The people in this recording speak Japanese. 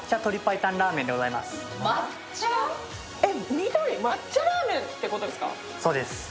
緑、抹茶ラーメンってことですか？